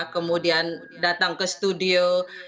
kemudian datang ke studio